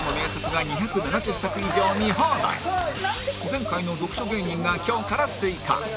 前回の読書芸人が今日から追加